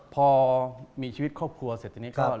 พอมีชีวิตครอบครัวเสร็จทีนี้ก็